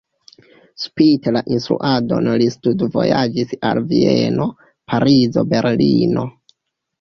Spite la instruadon li studvojaĝis al Vieno, Parizo, Berlino.